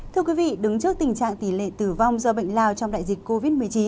thưa quý vị đứng trước tình trạng tỷ lệ tử vong do bệnh lao trong đại dịch covid một mươi chín